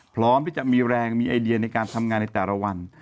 พร้อมที่จะมีแรงมีไอเดียในการทำงานในแต่ละวัน